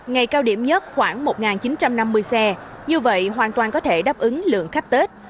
ngày cao điểm nhất khoảng một chín trăm năm mươi xe như vậy hoàn toàn có thể đáp ứng lượng khách tết